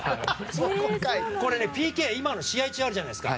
これ、ＰＫ今の試合中あるじゃないですか。